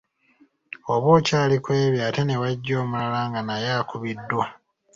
Oba okyali ku ebyo ate ne wajja omulala nga naye akubiddwa.